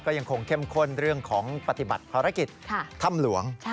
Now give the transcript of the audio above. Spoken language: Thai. ยังคงเข้มข้นเรื่องของปฏิบัติภารกิจถ้ำหลวง